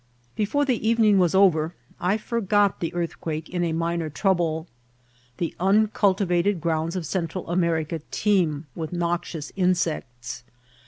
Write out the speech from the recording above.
Before the evening was over I forgot the earthquake in a minor trcHible. The uncultivated grounds of Cen tral America teem with noxious insects.